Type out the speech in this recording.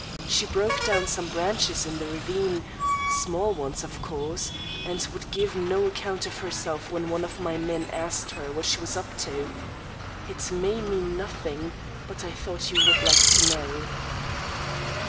She broke down some branches in the ravine, small ones, of course, and would give no account of herself when one of my men asked her what she was up to. It may mean nothing, but I thought you would like to know."